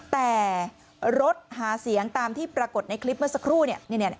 แต่รถหาเสียงตามที่ปรากฏในคลิปเมื่อสักครู่เนี่ย